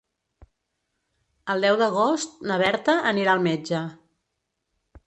El deu d'agost na Berta anirà al metge.